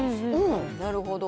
なるほど。